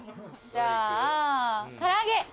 じゃあからあげ！